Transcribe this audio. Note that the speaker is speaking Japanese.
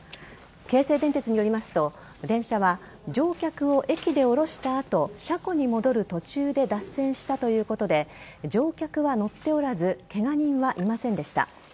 京成電鉄によりますと電車は乗客を駅で降ろした後車庫に戻る途中で脱線したということで乗客は乗っておらずケガ人はいませんでした。